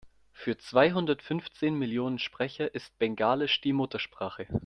Für zweihundertfünfzehn Millionen Sprecher ist Bengalisch die Muttersprache.